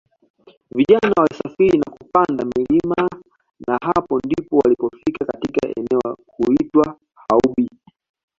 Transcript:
vijana walisafiri na kupanda milima na hapo ndipo walipofika katika eneo huitwa Haubi